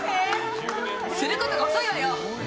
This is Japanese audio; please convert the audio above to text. することが遅いわよ！